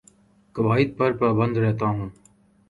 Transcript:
قوائد پر پابند رہتا ہوں